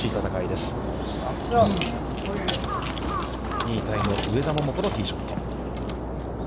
２位タイの上田桃子のティーショット。